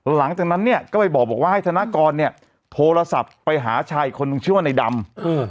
หลังจากนั้นเนี่ยก็ไปบอกว่าให้ธนกรเนี่ยโทรศัพท์ไปหาชายอีกคนนึงชื่อว่าในดำ